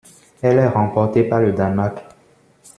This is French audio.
Elle est remportée par le Danemark.